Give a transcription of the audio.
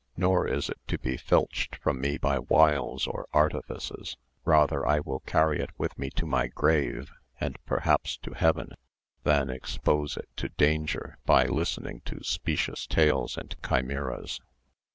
Nor is it to be filched from me by wiles or artifices; rather will I carry it with me to my grave, and perhaps to heaven, than expose it to danger by listening to specious tales and chimeras.